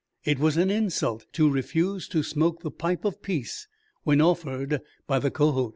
It was an insult to refuse to smoke the pipe of peace when offered by the Kohot.